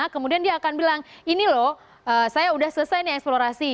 kemudian dia akan bilang ini loh saya udah selesai nih eksplorasi